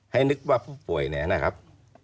ให้นึกว่าผู้ป่วยแนะครับ